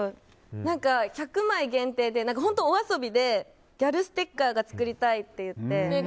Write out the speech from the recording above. １００枚限定で、本当お遊びでギャルステッカーが作りたいっていって。